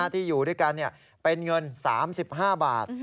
ที่อยู่ด้วยกันเป็นเงิน๓๕บาท